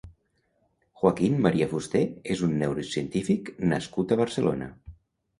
Joaquín Maria Fuster és un neurocientífic nascut a Barcelona.